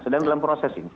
sedang dalam proses ini